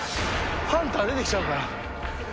ハンター出てきちゃうから。